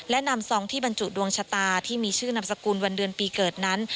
และนำซองที่บรรจุดวงชะตาที่มีชื่อนามสกุลวันเดือนปีเกิดนั้น